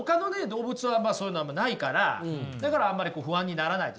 動物はそういうのないからだからあんまり不安にならない。